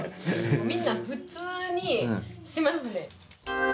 みんな普通にしますね